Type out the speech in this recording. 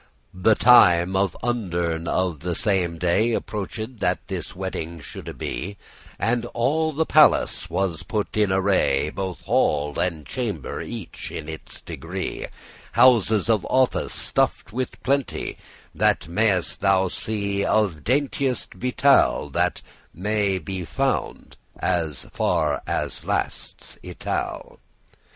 * *befit The time of undern* of the same day *evening <5> Approached, that this wedding shoulde be, And all the palace put was in array, Both hall and chamber, each in its degree, Houses of office stuffed with plenty There may'st thou see of dainteous vitaille,* *victuals, provisions That may be found, as far as lasts Itale.